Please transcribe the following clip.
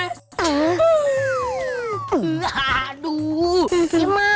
linda saya kok terus sampai sukses